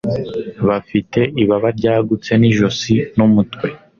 Bafite ibaba ryagutse nijosi n'umutwe